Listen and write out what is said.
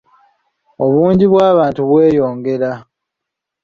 Obungi bw'abantu bweyongera